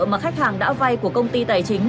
mà khách hàng đã vay của công ty tài chính